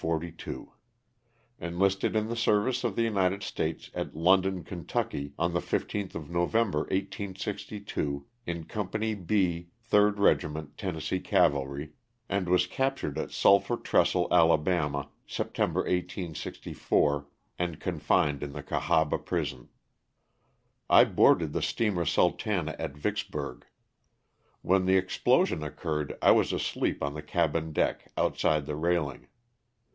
■^ Enlisted in the service of the United States at London, Ky., on the 15th of November, 1862, in Com pany B, 3d Regiment Tennessee Cavalry, and was cap tured at Sulphur Trestle, Ala., September, 1864, and confined in the Cahaba prison. I boarded the steamer *' Sultana'' at Vicksburg. When the explosion occurred I was asleep on the cabin deck, outside the railing.